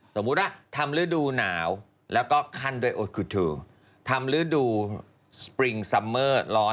สมมุติว่าทำฤดูหนาวแล้วก็ขั้นด้วยโอคูทูโททำฤดูสปริงซัมเมอร์๑๐